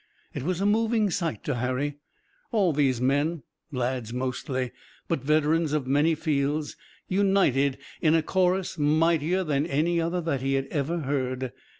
It was a moving sight to Harry, all these men, lads, mostly, but veterans of many fields, united in a chorus mightier than any other that he had ever heard.